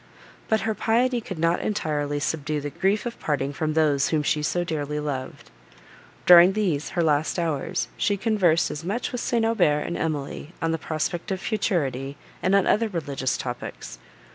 But her piety could not entirely subdue the grief of parting from those whom she so dearly loved. During these her last hours, she conversed much with St. Aubert and Emily, on the prospect of futurity, and on other religious topics.